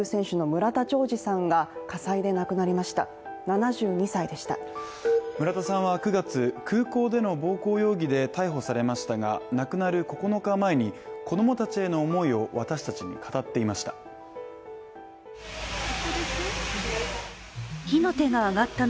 村田さんは９月空港での暴行容疑で逮捕されましたが亡くなる９日前に、子供たちへの思いを私たちに語っていました。